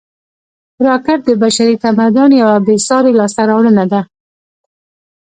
راکټ د بشري تمدن یوه بېساري لاسته راوړنه ده